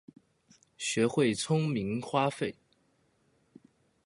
學會聰明花費